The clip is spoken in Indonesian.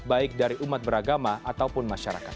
baik dari umat beragama ataupun masyarakat